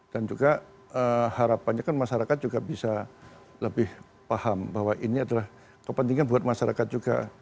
dan juga harapannya kan masyarakat juga bisa lebih paham bahwa ini adalah kepentingan buat masyarakat juga